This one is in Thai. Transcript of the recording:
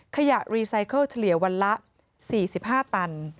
ขยะรีไซเคิลเฉลี่ยวันละ๔๕ตัน